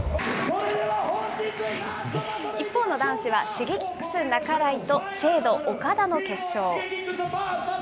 一方の男子は、Ｓｈｉｇｅｋｉｘ、半井と、ＳＨＡＤＥ、岡田の決勝。